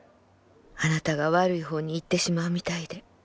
あなたが悪い方に行ってしまうみたいで」。